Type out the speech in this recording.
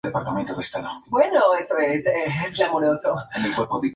Es el padre de Alain y Jean-Paul Belmondo.